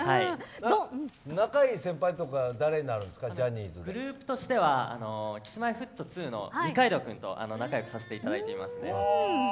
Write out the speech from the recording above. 仲いい先輩とか誰になるんですかグループとしてはＫｉｓ‐Ｍｙ‐Ｆｔ２の二階堂君と仲良くさせていただいています。